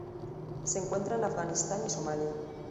Se encuentra en Afganistán y Somalia.